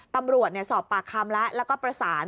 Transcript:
ตำรวจสอบปากคำและประสาน